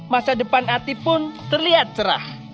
masa depan ati pun terlihat cerah